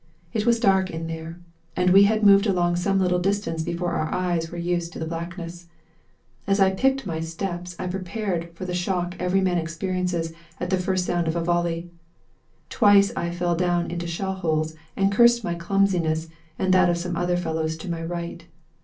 It was dark in there, and we had moved along some little distance before our eyes were used to the blackness. As I picked my steps I prepared myself for the shock every man experiences at the first sound of a volley. Twice I fell down into shell holes and cursed my clumsiness and that of some other fellows to my right.